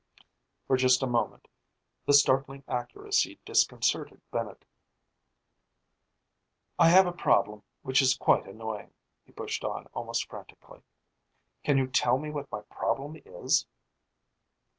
For just a moment, the startling accuracy disconcerted Bennett. "I have a problem which is quite annoying," he pushed on almost frantically. "Can you tell me what my problem is?"